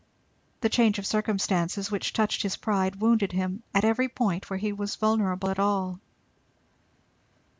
The change of circumstances which touched his pride wounded him at every point where he was vulnerable at all.